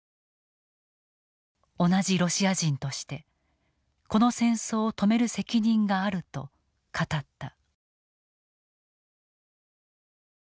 同じロシア人としてこの戦争を止める責任があると語った。